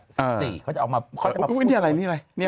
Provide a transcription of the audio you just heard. สิบสี่เค้าจะออกมาเค้าจะมาพูดอุ๊ยนี่อะไรนี่อะไร